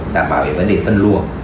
đảm bảo về vấn đề phân luồng